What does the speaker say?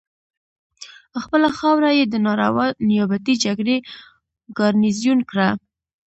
خپله خاوره یې د ناروا نیابتي جګړې ګارنیزیون کړه.